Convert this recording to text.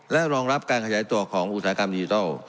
และรองรับการขยายตัวของอุตสาหกรรมดิจิทัล